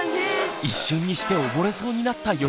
一瞬にして溺れそうになったよしひろくん。